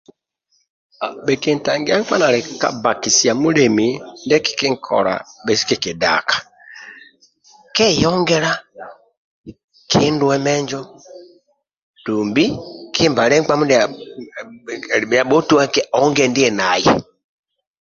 Bhikintakia nkap nali ka bbakisia mulemi ndie kikinkola bhesu kikidaka keyongela kinduwe menjo dumbi kimbale nkpa midia ali bhia bhotuaki aonge ndie naye